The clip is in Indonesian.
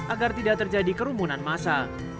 agar tidak terjadi kerumunan masa